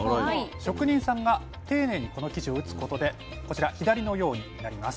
職人さんが丁寧にこの生地を打つことでこちら左のようになります。